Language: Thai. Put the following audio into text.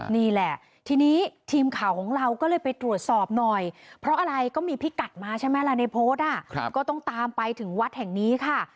นี่แหละทีนี้ทีมข่าวของเราก็เลยไปตรวจสอบหน่อยเพราะอะไรก็มีพิกัดมาใช่ไหมล่ะในโพสต์ก็ต้องตามไปถึงวัดแห่งนี้ค่ะ